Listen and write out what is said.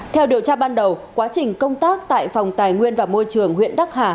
theo điều tra ban đầu quá trình công tác tại phòng tài nguyên và môi trường huyện đắc hà